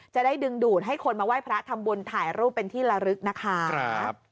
จะได้ดึงดูดให้คนมาไหว้พระทำบุญถ่ายรูปเป็นที่ละลึกนะคะ